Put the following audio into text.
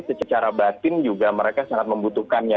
secara batin juga mereka sangat membutuhkannya